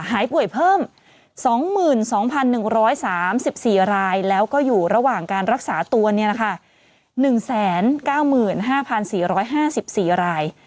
หายป่วยเพิ่ม๒๒๑๓๔รายแล้วก็อยู่ระหว่างการรักษาตัว๑๙๕๔๕๔ราย